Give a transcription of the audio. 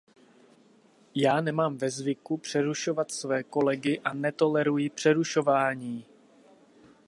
Já nemám ve zvyku přerušovat své kolegy a netoleruji přerušování!